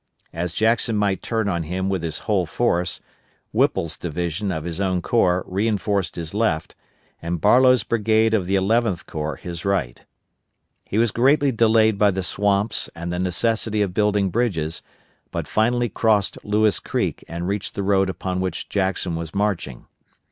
As Jackson might turn on him with his whole force, Whipple's division of his own corps reinforced his left, and Barlow's brigade of the Eleventh Corps his right. He was greatly delayed by the swamps and the necessity of building bridges, but finally crossed Lewis Creek and reached the road upon which Jackson was marching.